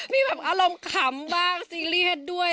มีแบบอารมณ์ขำบ้างซีเรียสด้วย